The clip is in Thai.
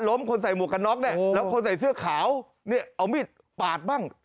คนใส่หมวกกันน็อกเนี่ยแล้วคนใส่เสื้อขาวเนี่ยเอามีดปาดบ้าง